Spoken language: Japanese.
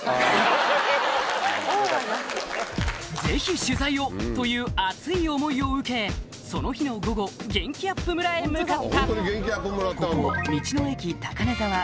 「ぜひ取材を！」という熱い思いを受けその日の午後元気あっぷむらへ向かった